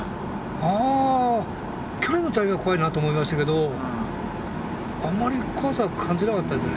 あ去年の台風は怖いなと思いましたけどあまり怖さは感じなかったですね。